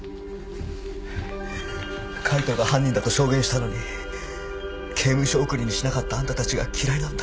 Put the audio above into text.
海藤が犯人だと証言したのに刑務所送りにしなかったあんたたちが嫌いなんだ。